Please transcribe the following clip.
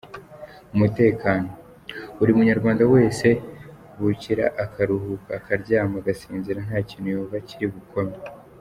“Umutekano: buri munyarwanda wese bukira akaruhuka akaryama, agasinzira nta kintu yumva kiri bumukome.